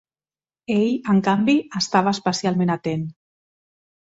Ell, en canvi, estava especialment atent.